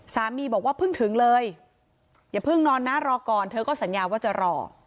สามีบอกว่าเพิ่งถึงเลยอย่าเพิ่งนอนนะรอก่อนเธอก็สัญญาว่าจะรอ